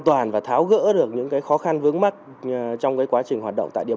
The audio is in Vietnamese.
đặc biệt thao gỡ những khó khăn vướng mắt cho doanh nghiệp